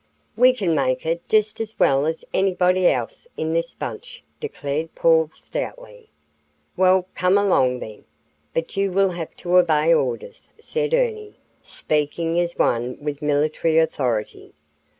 "We can make it just as well as anybody else in this bunch," declared Paul, stoutly. "Well, come along, then; but you will have to obey orders," said Ernie, speaking as one with military authority.